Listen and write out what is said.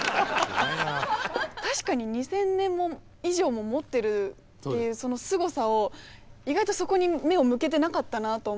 確かに２０００年以上ももってるっていうそのすごさを意外とそこに目を向けてなかったなと思って。